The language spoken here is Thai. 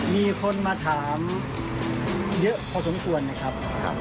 มีคนมาถามเยอะพอสมควรนะครับ